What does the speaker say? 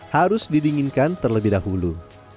harus didinginkan terlebih dahulu